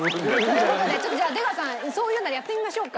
という事でじゃあ出川さんそう言うならやってみましょうか。